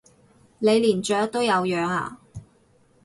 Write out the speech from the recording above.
你連雀都有養啊？